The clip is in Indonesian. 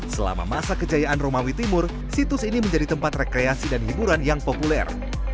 selama masa kejayaan romawi timur situs ini menjadi tempat rekreasi dan hiburan yang populer